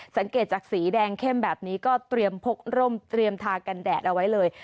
สังเกตจากสีแดงเข้มแบบนี้ก็เตรียมพกร่มเตรียมทากันแดดเอาไว้เลย